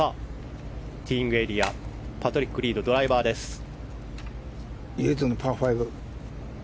ティーイングエリアパトリック・リード唯一のパー５。